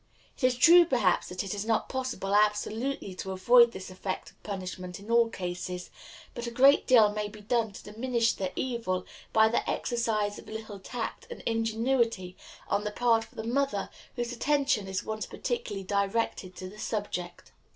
It is true, perhaps, that it is not possible absolutely to avoid this effect of punishment in all cases; but a great deal may be done to diminish the evil by the exercise of a little tact and ingenuity on the part of the mother whose attention is once particularly directed to the subject.